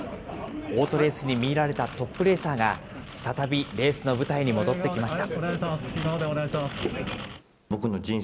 オートレースにみいられたトップレーサーが再びレースの舞台に戻ってきました。